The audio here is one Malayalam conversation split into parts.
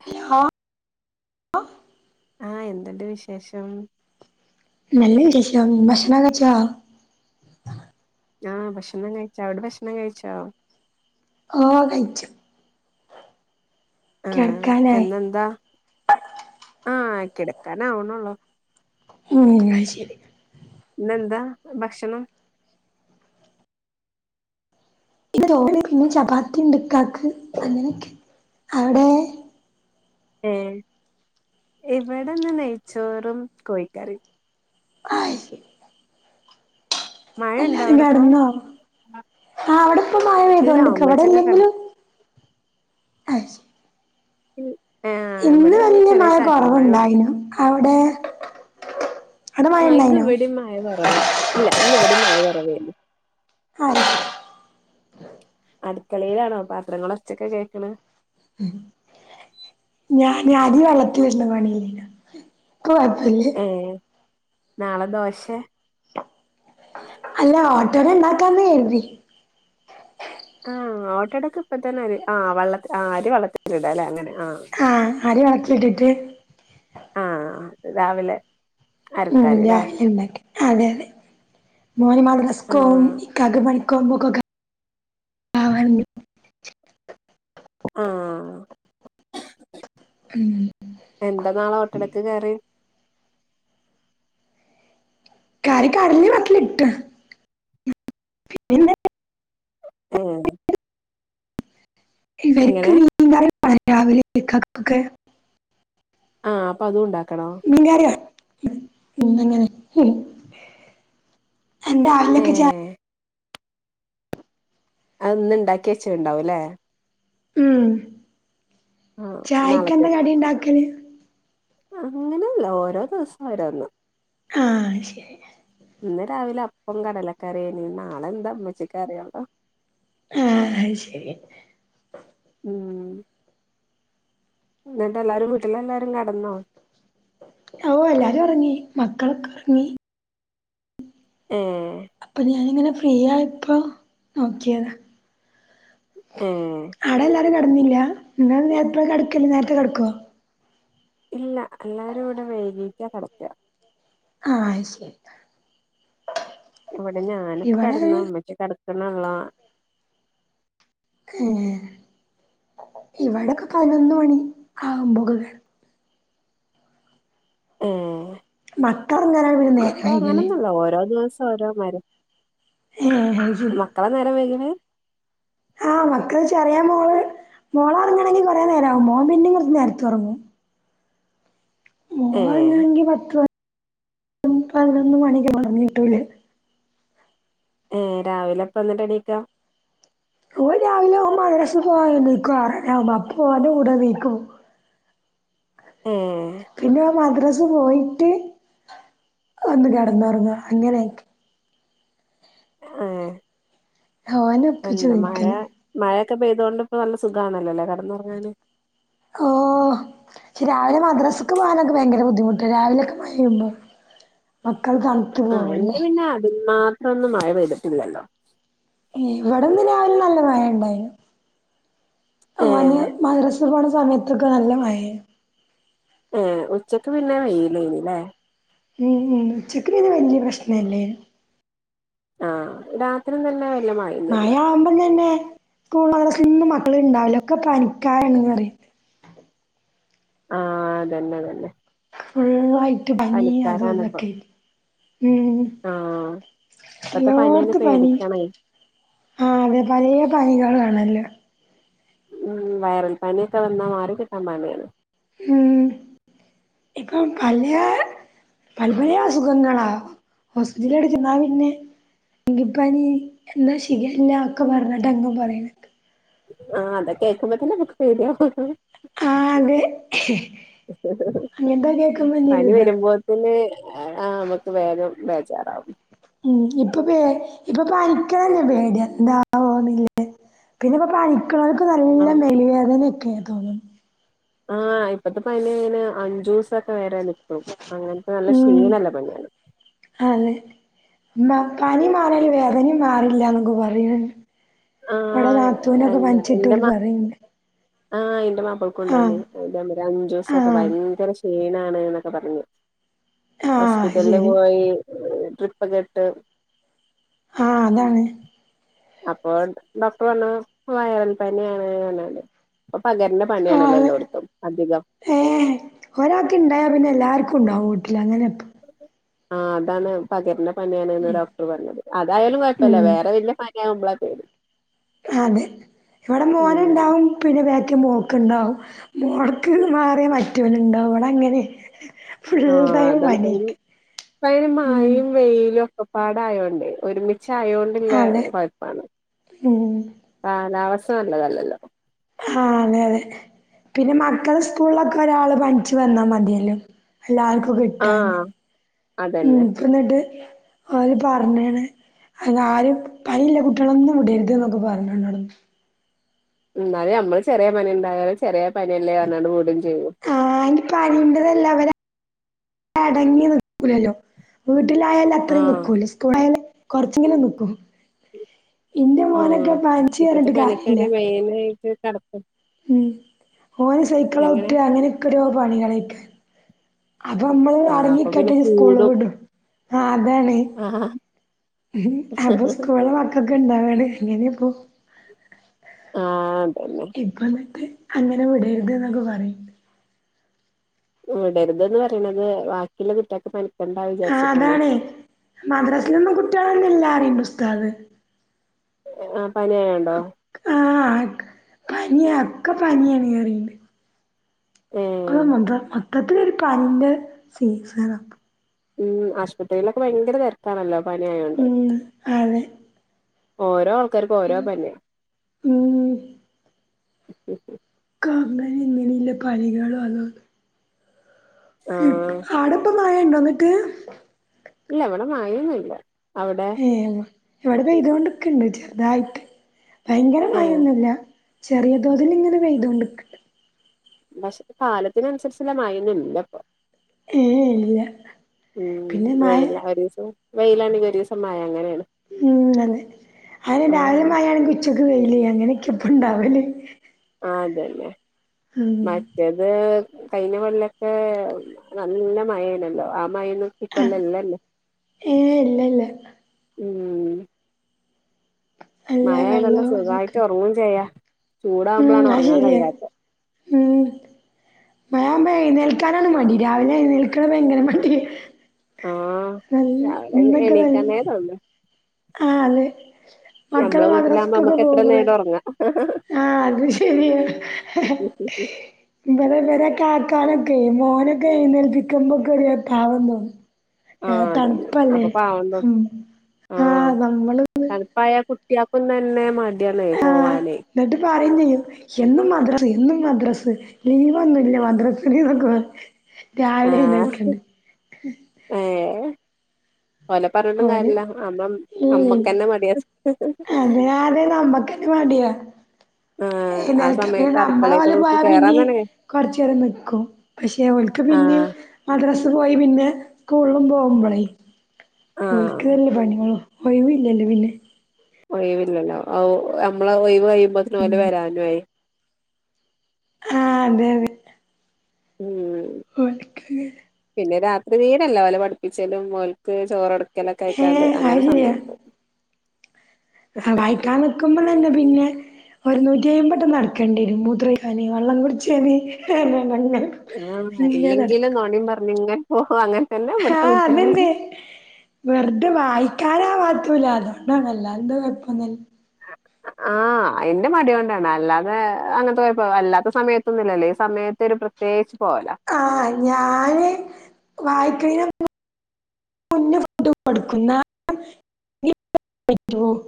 [inaudible] ആഹ് എന്തുണ്ട് വിശേഷം നല്ല വിശേഷം ഭക്ഷണം കഴ്ച്ചാ ആഹ് ഭക്ഷണം കഴിച്ച അവിടെ ഭക്ഷണം കഴിച്ചോ ഓഹ് കഴിച്ചു ആഹ് കിടക്കാനായി എന്നെന്താ ആഹ് കിടക്കാന ആവണള്ളോ ഉം അയ്ഷരി ന്നെന്താ ഭക്ഷണം [inaudible] പിന്നെ ചപാത്തി ഇണ്ട് ക്കക്ക് അങ്ങനെയക്കെ അവടെ ഏഹ് ഇവിടെന്ന് നെയ്ച്ചോറും കോഴിക്കറിം ആയി മഴുണ്ടാ അവിടെപ്പ ആഹ് അവിടെപ്പ ഇല്ല മായമേതുണ്ട്ക്ക് ഉമ്മച്ചിയൊക്കെ കട അവിടെല്ലെങ്കിലും [inaudible] ഇവിടെ ഇന്ന് ഇങ്ങനെ വല്ല്യ ചെറിയ മഴ ചാറ്റൽ മഴയുള്ളൂ കുറവുണ്ടായിനു അവിടെ അവിടെ മഴ ആഹ് ഇന്ന് ഉണ്ടായിനോ ഇവടിം മായ കുറവ ഇല്ല ഇന്ന് ഇവടിം മയ കൊറവേന്ന് ആഹ് അടുക്കളേലാണോ പാത്രങ്ങളൾൊച്ചൊക്കെ കേൾക്കണ് ഉം ഞാൻ ആദ്യ വളത്തി വരണ പണിയലില്ല. നെക്ക് കൊഴപ്പല്ലേ? ഏ നാളെ ദോശ അല്ല ഓട്ടോഡ ഉണ്ടാക്കാന്ന് കരുതി ആഹ ഓട്ടടക്ക ഇപ്പ തന്നെ അ ആ വള്ള ആ അരി വള്ളത്തി ഇടല്ലേ അങ്ങനെ ആ് ആഹ അരി വെള്ളത്തിലിറ്റിട്ട് ആഹ രാവിലെ ഉ അരക്കാന്ല്ലേ രാവിലെ ഉണ്ടാക്കെ അതെ മോൻ മുദ്രസ്ക് പോവും ആഹ് ഇക്കാക്ക് പണി പോവുമ്പോക്കെ പാവണ്ട് ആഹ ഉം എന്താ നാളെ ഓട്ടടക്ക് കറി കറിക്ക് കാടല വെള്ളത്തിക്ക് ഇട്ടുന്നു ഉ ഇവർക്ക് എങ്ങനെ നീന്താൽ പണ രാവിലെ ഇക്കക്ക് ആഹ അപ്പൊ അതും ഉണ്ടാക്കണോ നി കറിയന്നങ്ങനെ എന്റെറെ ആിലൊക്ക് ഏഹ് അത ഒന്ന് ഉണ്ടാക്കി വച്ച ഉണ്ടാവും അല്ലേ ഉം ആഹ് ചായ്ക്ക്െന്താ നാളത്തേക്ക് കടി ഉണ്ടാക്കല് അങ്ങനെയല്ല ഓരോ ദിവസം ഓരോന്ന് ആഹ ശരി ഇന്ന് രാവിലെ അപ്പം കടലക്കറിയന നാളെ എന്താ അമ്മച്ചക്ക്റിയള്ളോ ആഹ അത് ശരി ഉം എന്നിട്ട് എല്ലാരും വീട്ടില എല്ലാരും കടന്നോ ഓ എല്ലാരും ഒറങ്ങി മക്കളൊക്കെ ഒറങ്ങി ഏ അപ്പൊ ഞാനിങ്ങനെ ഫ്രീ ആയപ്പോ നോക്കിയതാ ഏ ആടെല്ലാരും കെടന്നില്ല ഇങ്ങളെനിപ്പയാ കിടക്കല് നേരത്തെ കെടക്കോ ഇല്ല എല്ലാവരുവിടെ വൈകീട്ടാ കെടക്ക ആ അയ്ശരി ഇവിടെ ഞാനിപ്പോ കെടന്നു മ്മച്ചി കിടക്ക്ന്നേയുള്ളൂ ഏ ഇവിടെക്കെ പതിനൊന്ന്മണി ആുകുമ്പോ കെ ഏ മക്കളൊറങ്ങാനാണ് പിന്നെ നേരം വൈകല് ഇവിടങ്ങനൊന്നില്ല ഓരോ ദിവസം ഓരോ മാതിരിയാ ഏ അത് ശരി എത്ര നേരം വൈകണ് ആ മക്കൾ ചെറിയ മോള് മോളൊറങ്ങണെങ്കിൽ കുറേ നേരാവും മോൻ പിന്നെ കുറച്ച്നേരെത്തെഉറങ്ങും ഏ കി പത്ത് മണി പന്ത്രണ്ട്മണി ഉറങ്ങികിട്ടുല [unintelligible] ഏ രാവിലെപ്പ എണീക്കാ ഓൻ രാവിലെ ഓൻ മദ്രസ്സപോകാനെണീക്കും ആറരാകുമ്പോ അപ്പോ ഓന്റെ കൂടെണീക്കും ഏ പിന്നെ ഓൻ മദ്രസ്സെപോയിട്ട് വന്ന് കെടന്നൊങ്ങാ അങ്ങനെയായിക്ക് ഏ ഓനെ ഒപ്പിച്ച് എന്ത് മഴ നിക്കല് മഴൊക്കെ പെയ്തോണ്ട് ഇപ്പോ നല്ല സുഖമാണല്ലോല്ലേ കിടന്നുറങ്ങാന് ഓ ച് മദ്രസ്സക്ക് പോകാനൊക്കെ ഭയങ്കര ബുദ്ധിമുട്ടാ രാവിലെയൊക്കെ മഴ പെയ്യുമ്പോ മക്കൾഅണ് ആ എന്റെ പിന്നെ അതിൽമാത്രൊന്നും മഴ പെയ്തിട്ടില്ലല്ലോ ഇവിടെന്ന് രാവിലെ നല്ല മഴ ഉണ്ടായിന് ഏ മദ്രസ്സപോണ സമയത്തൊക്കെ നല്ല മഴയാണ് ഏ ഉച്ചക്ക് പിന്നെ വെയിലേനില്ലേ മ് മ് ഉച്ചക്ക് പിന്നെ വല്യയ പ്രശ്നെല്ലേ ആഹ് രാത്രി നല്ലമയ മായാവുമ്പം തന്നെ സ്കൂളിലു മദ്രസ്സയിലൊന്നും മക്കളുണ്ടാവില്ല ഒക്കെ പനിക്കാരാണ് പറിം ആഹ് അതന്നെതന്നെ ഫുള്ളായിട്ടും പനിയതുതൊക്കെ മ് ആ ഇപ്പത്തെ പനിയന്നെ എല്ലോട്ത്തും പനിയാ പേടിക്കണേ ആഹ് അതെ പലേപനികളാണല്ലൊ മ് വയറൽപനിയൊക്കെ വന്നാൽ മാറികിട്ടാൻ പണിയാണ് മ് ഇപ്പം പലേ പലേ പലേഅസുഖങ്ങളാ ഹോസ്പിറ്റലിചെന്നാപിന്നെ ഡെങ്കിപ്പനി എന്താ ശിഖല്ലാ ഒക്കെ പറഞ്ഞിട്ട് അങ്ങ് പറയണെ ആഹ് അതൊക്കേ കേൾക്കുമ്പഴേക്കും നമ്മക്ക് പേടിയാവാ ഹ് ഹ് ആഹ് അതെ അങ്ങനത്തെകേക്കുമ്പോ വലിയൊരിതാ പിന്നെ ആഹ് നമക്ക് വേഗം ബേജാറാവും മ് ഇപ്പൊ പേ ഇപ്പൊ പനിക്ക്ണെന്നെ പേടിയാ എന്താവോന്നില്ലേ പിന്നെ ഇപ്പോൾ പനിക്ക്ണൊൽക്ക് ആ നല്ല മെയ്ൽ വേദനയൊക്കെയ തോന്നു ആഹ് ഇപ്പത്തെ പനി അയിന് അഞ്ചുസൊക്കെ വരെ നിക്കും അങ്ങൻത്തെ നല്ല ഉം ക്ഷീണല്ലെ പനിയാണ് അതെ ന്നാ പനിമാറിയാൽ വേദനയും മാറില്ല എന്നൊക്കെ പറയിണ് ഇവടെ ആഹ് നാത്തൂനൊക്കെ എന്താ പനിച്ചിട്ട് എന്റെ ഓല് മാ പറിയിണ്ട് ആഹ് ഇന്റെ മാപ്പൾക്കുണ്ടായിനി ഇതേമായിരി അഞ്ചോസൊക്കെ ആഹ് ഭയങ്കര ക്ഷീണാണ് എന്നൊക്കെ പറ ഞ്ഞ് ആഹ് ഹോസ്പിറ്റലില് ശരി പോയി ട്രിപ്പൊെക്കെ ഇട്ട് ആഹ് അതാണ് അപ്പോ ഡോക്ടറ്പറഞ്ഞ് വയറൽപ്പനിയാണ് പറഞ്ഞാണ്ട് ഇപ്പോ പകര്ന്ന പണിയാണല്ലോ എല്ലോയിടത്തും അധികം ഏഹ ഒരാൾക്ക് ഉണ്ടായ പിന്നെ എല്ലാർക്കും ഉണ്ടാവും വീട്ടില അങ്ങനെയൊക്കെ ആഹ് അതാണ് പകര്ന പനിയാണ്ന്ന് ഡോക്ടർ പറഞ്ഞത് അതായാലും കൊഴപ്പല്ല ഉം വേറെ വല്ല ക്യ ആവുമ്പള പേടി അഹ് അതെ ഇവിടെ ഉം മോനുണ്ടാവും പിന്നെ ബാക്കി മോക്ക്ണ്ടാവും മോൾക്ക് മാറിയ മറ്റൊനുണ്ടാവും ഇവടെ അങ്ങനെ ഫുൾ ആഹ് ടൈം അതാണ് പേടി പനിയേക്കാ പ്പതിന് ഉം മയയും വെയിലും ഒക്കെ പാടായോണ്ടേ ഒരുമിച്ചയോണ്ടില്ല അതെ കൊയപ്പാണ് ഉം കാലവസ്ഥ നല്ലതല്ലല്ലോ ആഹ് അതെ അതെ പിന്നെ മക്കളെ സ്കൂളിലൊക്കെ ഒരാള് പനിച്ചു വന്നാ മതിയല്ലോ എല്ല ആർക്കും ആ കിട്ടാൻ ഉം അതന്നെ ഇപ്പന്നട്ട് ഓല് പറഞ്ഞ്ണ് അല്ലആരും പനില്ല കുട്ടികളൊന്നും വിടരുത് എന്നൊക്കെ പറഞ്ഞ് ണൗട്ന്ന് ന്നാലും നമ്മള് ചെറിയ പനിണ്ടായാലും ചെറിയ പനിയല്ലേ പറഞ്ഞാണ്ട് വിടുകയും ചെയ്യൂ ആഹ് പനിണ്ടതല്ല അവര അടങ്ങി നിക്കൂലല്ലോ വീട്ടിലായാല ആ അത്രയും നിക്കൂല സ്കൂളിയാല് കൊറച്ചങ്ങനെ നിക്കും ഇന്റെ ആ മോനൊക്കെ പനിച്ച്ന്ന് ഇപ്പത്തെ പറഞ്ഞിട്ട് കാര്യല്ല [unintelligible] ഉം ഓന് എങ്ങനെ സൈക്ലാവുട്ടിയ അങ്ങനെയൊക്കെ ഒരൊ പണിയാണെനിക്ക് അപ്പൊ നമ്മള് ആ അപ്പൊ പിന്നെ അറഞ്ഞിട്ടിട്ട് സ്കൂള് വിടും ആഹ് അതാണ് ആഹ് ആഹ് ഉം അപ്പൊ സ്കൂള് മക്കൊക്കെ ഇണ്ടാവാണ് എങ്ങനെയ ഇപ്പോ ആഹ് അതന്നെ ഇപ്പ ന്നിട്ട് അങ്ങനെ വിടരുത് എന്നൊക്കെ പറയും വിടരുതന്ന് പറയണത് ബാക്കിയുള്ള കുട്ട്യൾക്ക് പനി ആഹ് അതാണ് മദ്രാസൽന്നും കുട്ടികളൊന്നും ഇല്ലെന്ന് പറയണ്ട ഉസ്താദ് ആഹ് പനീയായണ്ടോ ആഹ് പനിയ ഒക്കെ പനിയാണ് പറിയണ്ട് ഏ ഇപ്പ മൊത്തത്തില ഒരു പനിന്റ സീസണ ഉം ആശുപത്രിയിലൊക്കെ ഭയങ്കര തിരക്കാനല്ലോ പനിയ ആയോണ്ട് ഉം അതെ ഓരോ ആൾക്കാർക്കും ഓരോ പനിയ ഉം [unintelligible] അങ്ങനിം ഇങ്ങനി കളികള അതാണ് ആ ആടപ്പം മഴയുണ്ടോ എന്നിട്ട് ഇല്ല ഇവിടെ മഴയൊന്നും ഇല്ല അവിടെ ഇവിടെ പെയ്തോണ്ടൊക്കെ ഇണ്ട് ചെറുതായിട്ട് ഭയങ്കര ഏ മഴൊന്നുംല്ല ചെറിയ തോതിൽ ഇങ്ങനെ പെയ്ത കൊണ്ട്ക്കണ്ട് പക്ഷെ കാലത്തിന് അനുസരിച്ചല്ല മഴയൊന്നും ഇല്ല ഇപ്പോൾ ഏഹ് ഇല്ല ഉം പിന്നെ മഴ വെയില ഒരു ദിവസം വെയിലാണങ്കിൽ ഒരുസം മയ അങ്ങനെയാണ് ഉം അതെ അത് ആ രാവിലെ മഴയാണെങ്കിൽ ഉച്ചക്ക് വെയില അങ്ങനെയൊക്കെ ഇപ്പ ഇണ്ടാവല് ആഹ് അതന്നെ ഉം മഴ മറ്റേത് കഴിഞ്ഞ കൊല്ലൊക്കെ നല്ല മഴണല്ലോ ആഹ് മഴേന്നും ഈ ആഹ് കൊല്ലം ഇല്ലല്ലോ ഏഹ് ഇല്ല ഇല്ല ഉം നല്ല മഴെയാണെങ്കി വെള്ളവും സുഖമായിട്ട് അതൊക്കെ ഉറങ്ങും ചെയ്യ ഉം ചൂടാവുമ്പോഴാണ് അത് ഉറങ്ങാൻ ശരിയാ കഴിയാത്ത മയയാകുമ്പ എഴുന്നേൽക്കാനാണ് മടി രാവിലെ എഴുന്നേൽക്കണത് ഭയങ്കര മടി ആഹ് രാവിലെ നക്ക എണീക്കാനേ [unintelligible] തോന്നും ആഹ് അതെ മക്കൾ ഞമ്മളെ വീട്ടിലാകുമ്പോ മദ്രസക്കൊക്കെ നമ്മക്ക് പോകുമ്പോളേ [unintelligible] ആഹ് അത് ശരിയ ഇവടെ കാക്കാൻ ഒക്കെ മോനൊക്കെ എണീപ്പിക്കുമ്പോൾ ഒക്കെ ഒരു പാവം തോന്നും ആഹ് അതന്നെ തണുപ്പല്ലേ അപ്പൊ പാവം തോന്നും ഹം ആഹ് നമ്മള് തണുപ്പായ കുട്ടിയക്കും തന്നെ മടിയാണ് ആഹ് പോവാന് എന്നിട്ട് പറയുകയും ചെയ്യും എന്നും മദ്രസ് എന്നും മദ്രസ് ലീവൊന്നും ഇല്ല മദ്രസയിൽ എന്നു പറയും രാവിലെ ആഹ് എഴുന്നേൽക്കണ്ടേ ഏഹ് ഓലെ പറഞ്ഞിട്ടും ഓല് കാര്യല്ല അമ്മം ഇല്ലേ അമ്മക്കന്നെ മടിയാണ് അതിനാദ്യ നമ്മക്കന്നെ മടിയാ ഏഹ് ആ നക്ക പിന്നെ സമയത്ത് നമ്മളെ പോല അടുക്കളേക്കൊക്കെ പോയാ കേറാൻ പിന്നെ തന്നെ കുറച്ചേരം നിക്കും പക്ഷെ ഓൽക്ക് പിന്നെം ആഹ് മദ്രസ് പോയി പിന്നെ സ്കൂൾ പോകുമ്പളേ ആഹ് ഒലിക്കതല്ലേ പണികളോ ഒഴിവില്ലല്ലേ പിന്നെ ഒഴിവില്ലല്ലോ ഒ നമ്മള ഒഴിവ് കഴിയുമ്പത്ത്ന് ഓല് വരാനു ആയി ആഹ് അതെതെ ഉം ഓൾക്ക പിന്നെ രാത്രി തീരില്ല ഓലെ പഠിപ്പിച്ചലും ഓൽക്ക് ചോറ്ടക്കലൊക്കെ ആയിക്കാണ്ട് ഏഹ് അങ്ങനെ അത് സമയം പോവും ആഹ് വായിക്കാൻ നിക്കുമ്പളെ തന്നെ പിന്നെ ഒരു നൂറ്റി അയ്പട്ടം നടക്കേണ്ടിരും മൂത്രയിക്കാന് വള്ളം കുടിച്ചാന് ആഹ് ഇങ്ങനെ നടക്കും ഇല്ലെങ്കിലും നോണിയ പറഞ്ഞിങ്ങെനെ പോ അങ്ങനെ തന്നെ ഇവിടുത്തെ ആഹ് അത് കുട്ട്യാളും തന്നെ വെറത വായിക്കാനാ പറ്റൂല അതുകൊണ്ടാണ് അല്ലാതെ എന്താ കുഴപ്പമൊന്നുമില്ല ആഹ് ആഹ് അയിൻ്റെ മടി കൊണ്ടാണ് അല്ലാതെ അങ്ങനത്തെ കുഴപ്പം അല്ലാത്ത സമയത്തൊന്നുല്ലല്ലോ ഈ സമയത്ത് ഒരു പ്രത് തേച്ച്പോല ആ ഞാന് വായിക്കണിനൊന്നും മുന്ന കൊതു കൊടുക്കുന്ന പോ [unintelligible]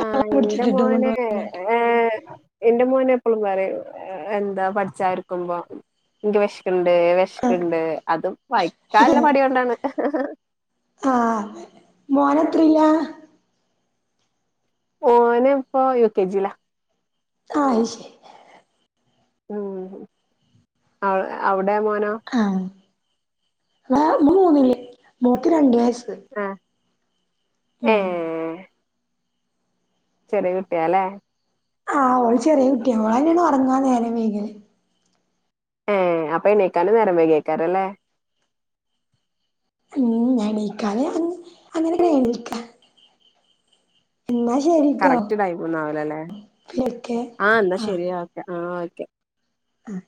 ആ ന്റെ മോന് കുടിച്ചിട്ടുണ്ടോന്നൊക്കെ ഏ ഇന്റെ മോന് എപ്പളും പറയും എന്താ പഠിച്ചാരിക്കുമ്പോ ൻക്ക് വെഷ്ക്ക്ണ്ട് വെഷ് പറയും ആഹ് ഷ്ക്ക്ണ്ട് അതും വയിക്കാല്ല മടിയൊണ്ടാണ് ആ മോനത്രീല ഓന് പ്പൊ യു കെ ജി ല ആ അയ്ശെ ഉം അവ് അവടെ മോനോ ആ വ മൂന്നിൽ മോക്ക് രണ്ട് വയസ്സ് ആഹ് ഏ ഉം ചെറിയ കുട്ടിയാലെ ആ ഓൾ ചെറിയ കുട്ടിയ ഓളന്നെണ് ഒറങ്ങാ നേരം വേഗല് ഏ അപ്പൊ എണിക്കാനും നേരം വെയ്കെക്കാരല്ലെ ഉം ഞ്ഞെണീക്കാതെ അങ്ങ് അങ്ങനെക്കെ ഞ്ഞെണീക്ക എന്നാ ശെരി കറക്റ്റ് ടൈമെന്നുആവുലലെ വിളിക്കേ ആ ന്നാ ആഹ് ശരി ഓക്കെ ആ ഓക്കെ ആഹ്